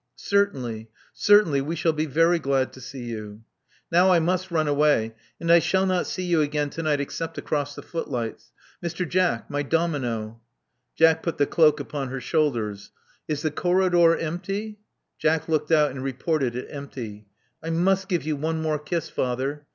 Certainly. Certainly. We shall be very glad to see you." "Now I must run away; and I shall not see you again to night except across the footlights, Mr. Jack: my domino." Jack put the cloak upon her shoulders. Is the corridor empty?" Jack looked out and reported it empty. I must give you one more kiss, father."